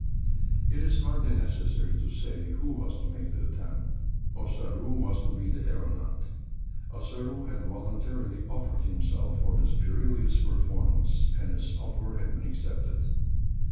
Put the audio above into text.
It is hardly necessary to say who was to make the attempt Ossaroo was to be the aeronaut. Ossaroo had voluntarily offered himself for this perilous performance; and his offer had been accepted.